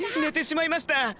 寝てしまいました。